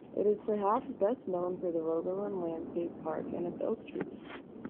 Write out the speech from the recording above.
It is perhaps best known for the Rogalin Landscape Park and its oak trees.